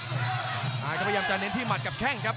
อภิเดชน์ก็พยายามจะเน้นที่หมัดกับแข่งครับ